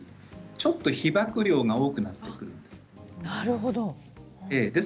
ちょっと被ばく量が多くなるんです。